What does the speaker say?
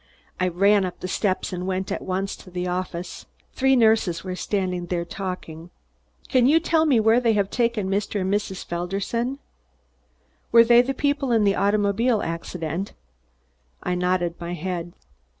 I ran up the steps and went at once to the office. Three nurses were standing there talking. "Can you tell me where they have taken Mr. and Mrs. Felderson?" "Were they the people in the automobile accident?" I nodded my head.